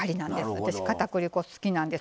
私、かたくり粉好きなんです。